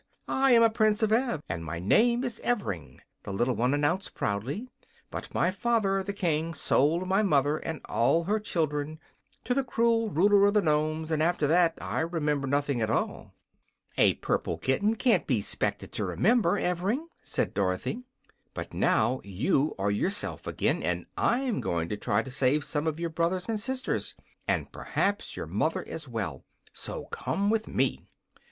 I am a Prince of Ev, and my name is Evring," the little one announced, proudly. "But my father, the King, sold my mother and all her children to the cruel ruler of the Nomes, and after that I remember nothing at all." "A purple kitten can't be 'spected to remember, Evring," said Dorothy. "But now you are yourself again, and I'm going to try to save some of your brothers and sisters, and perhaps your mother, as well. So come with me."